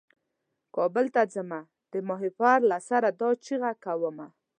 کابل ته ځمه د ماهیپر له سره دا چیغه کومه.